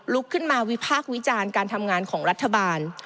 ลุกขึ้นมาวิพากษ์วิจารณ์การทำงานของรัฐบาล